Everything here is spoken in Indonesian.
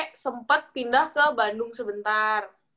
abis itu smp sempet pindah ke bandung sebentar